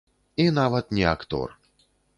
І нават не актор.